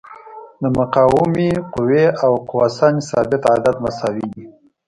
د مقاومې قوې او قوه سنج ثابت عدد مساوي دي.